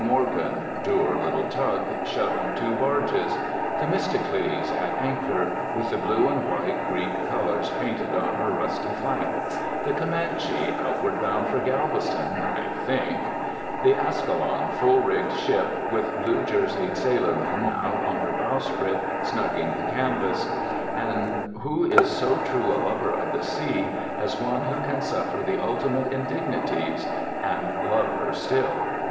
Morgan, dour little tug, shoving two barges; Themistocles, at anchor, with the blue and white Greek colours painted on her rusty flank; the Comanche outward bound for Galveston (I think); the Ascalon, full rigged ship, with blue jerseyed sailormen out on her bowsprit snugging the canvas. And who is so true a lover of the sea as one who can suffer the ultimate indignities—and love her still!